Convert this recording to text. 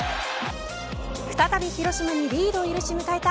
再び広島にリードを許し迎えた